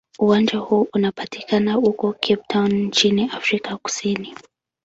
Uwanja huu unapatikana huko Cape Town nchini Afrika Kusini.